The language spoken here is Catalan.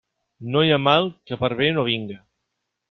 No hi ha mal que per bé no vinga.